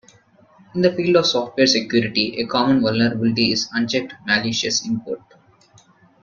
In the field of software security, a common vulnerability is unchecked malicious input.